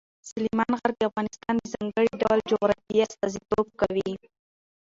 سلیمان غر د افغانستان د ځانګړي ډول جغرافیې استازیتوب کوي.